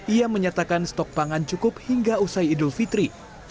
ia menyatakan stok pangan cukup hingga usai idul fitri